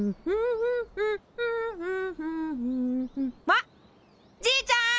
あっじいちゃん！